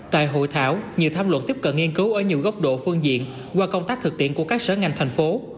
tại hội thảo nhiều tham luận tiếp cận nghiên cứu ở nhiều góc độ phương diện qua công tác thực tiễn của các sở ngành thành phố